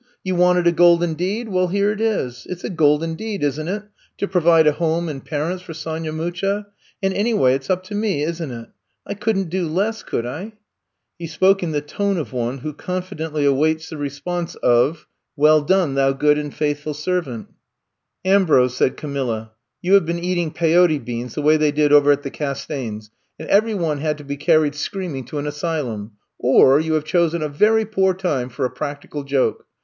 You wanted a golden deed. Well, here it is. It 's a golden deed, is n't it, to provide a home and parents for Sonya Mucha; and anyway it 's up to me, is n 't it f I could n 't do less, could If" He spoke in the tone of one who confidently awaits the response of 60 I'VE COME TO STAY Well done, thou good and faithful serv ant.'^ Ambrose,'^ said Camilla, ''you have been eating Pyote Beans, the way they did over at the Castaignes ', and every one had to be carried screaming to an asylum, or you have chosen a very poor time for a practical joke.